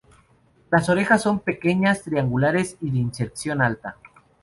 Las orejas son pequeñas, triangulares y de inserción alta.